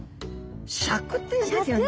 笏っていうんですよね。